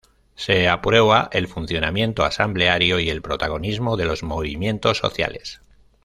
Se aprueba el funcionamiento asambleario y el protagonismo de los movimientos sociales.